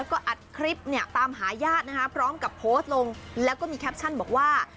ก็อัดคลิปเนี่ยตามหาญาตินะคะพร้อมกับโพสต์ลงแล้วก็มีแคปชั่นบอกว่า